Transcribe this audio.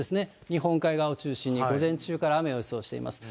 日本海側を中心に、午前中から雨を予想しています。